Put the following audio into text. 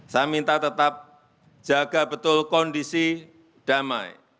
saya minta tetap jaga betul kondisi damai